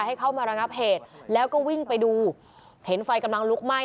ให้เข้ามาระงับเหตุแล้วก็วิ่งไปดูเห็นไฟกำลังลุกไหม้